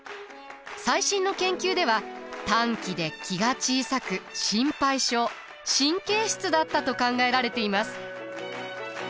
最新の研究では短気で気が小さく心配性神経質だったと考えられています。